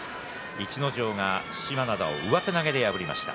逸ノ城は對馬洋を上手投げで破りました。